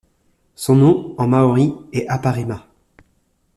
Son nom en maori est Aparima.